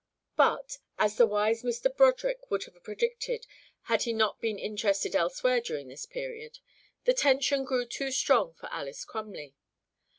But as the wise Mr. Broderick would have predicted had he not been interested elsewhere during this period the tension grew too strong for Alys Crumley.